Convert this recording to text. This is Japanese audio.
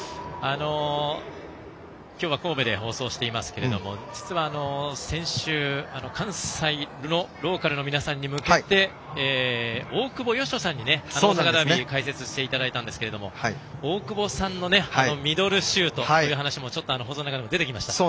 今日は神戸で放送していますが実は先週関西のローカルの皆さんに向けて大久保嘉人さんに解説していただいたんですが大久保さんのミドルシュートという話も放送の中でも出てきました。